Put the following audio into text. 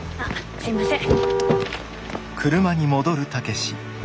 すいません。